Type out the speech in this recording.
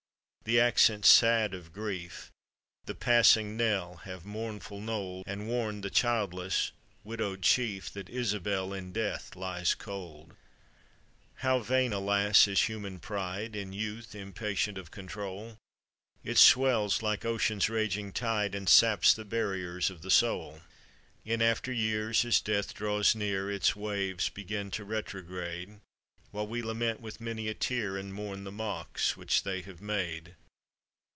the accents gad of grief; The passing knell have mournful knolled And warned the childless, widowed chief, That Isabel in death lies cold. How vain, alas! is human pride — In youth, impatient of control ; It swells like ocean's raging tide, And saps the barriers of the soul. In after years, as death draws near, Its waves begin to retrograde; While we lament with many a tear, And mourn the mocks which they have made.